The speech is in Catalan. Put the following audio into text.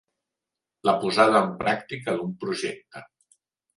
La posada en pràctica d'un projecte.